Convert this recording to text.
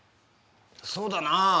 そうだな。